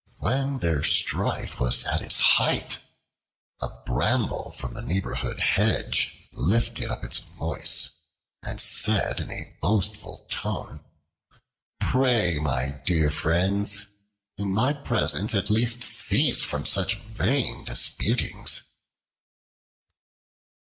When their strife was at its height, a Bramble from the neighboring hedge lifted up its voice, and said in a boastful tone: "Pray, my dear friends, in my presence at least cease from such vain disputings."